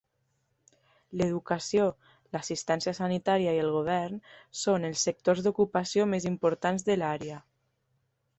L'educació, l'assistència sanitària i el govern són els sectors d'ocupació més importants de l'àrea.